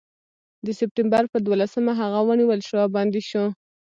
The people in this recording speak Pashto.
د سپټمبر پر دولسمه هغه ونیول شو او بندي شو.